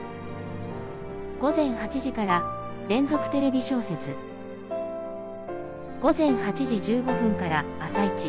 「午前８時から『連続テレビ小説』午前８時１５分から『あさイチ』」。